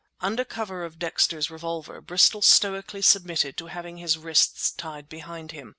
Under cover of Dexter's revolver, Bristol stoically submitted to having his wrists tied behind him.